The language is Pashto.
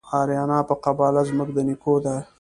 آریانا په قباله زموږ د نیکو ده